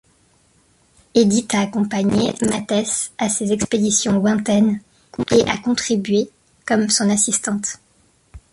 Edith a accompagné Matthes à ses expéditions lointaines et a contribué comme son assistante.